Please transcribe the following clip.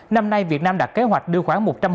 năm nay việt nam đã kế hoạch đưa khoảng